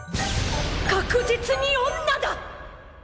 確実に女だ！